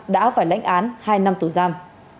đã phải lãnh án hai năm tù giam